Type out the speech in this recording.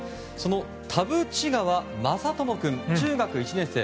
田渕川真朋君中学１年生。